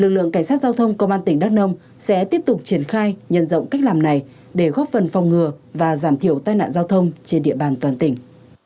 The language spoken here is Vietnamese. lực lượng cảnh sát giao thông công an tỉnh đắk nông sẽ tiếp tục triển khai nhận rộng cách làm này để góp phần phòng ngừa và giảm thiểu tai nạn giao thông trên địa bàn toàn tỉnh